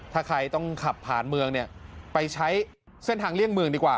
ถ้าใครต้องขับผ่านเมืองเนี่ยไปใช้เส้นทางเลี่ยงเมืองดีกว่า